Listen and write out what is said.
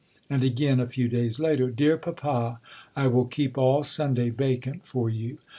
And again, a few days later: "Dear Papa, I will keep all Sunday vacant for you.